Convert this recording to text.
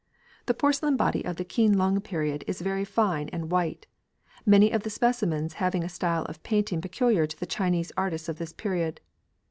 The porcelain body of the Keen lung period is very fine and white, many of the specimens having a style of painting peculiar to the Chinese artists of this period.